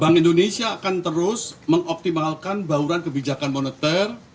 bank indonesia akan terus mengoptimalkan bauran kebijakan moneter